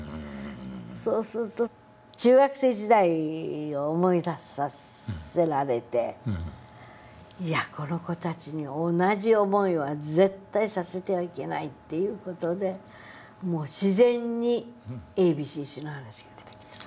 そうすると中学生時代を思い出させられてこの子たちに同じ思いは絶対させてはいけないっていう事で自然にＡＢＣＣの話が出てきた。